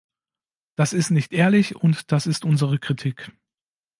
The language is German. Das ist nicht ehrlich und das ist unsere Kritik!